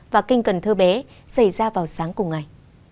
và kinh cần thơ bé xảy ra vào sáng cùng ngày